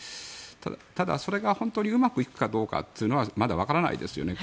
ただ、それが本当にうまくいくかどうかはまだわからないですよね。